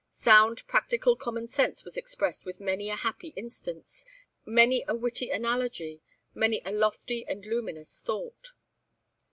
Sound practical common sense was expressed with many a happy instance, many a witty analogy, many a lofty and luminous thought.